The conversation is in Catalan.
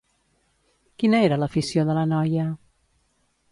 Quina era l'afició de la noia?